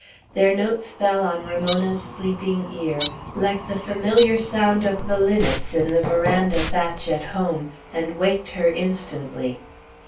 Their notes fell on Ramona's sleeping ear, like the familiar sound of the linnets in the veranda thatch at home, and waked her instantly.